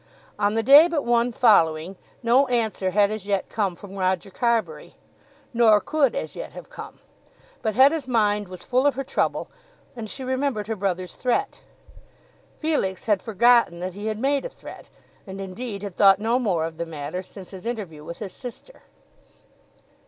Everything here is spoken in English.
On the day but one following, no answer had as yet come from Roger Carbury, nor could as yet have come. But Hetta's mind was full of her trouble, and she remembered her brother's threat. Felix had forgotten that he had made a threat, and, indeed, had thought no more of the matter since his interview with his sister.